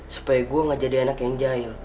supaya gue gak jadi anak yang jahil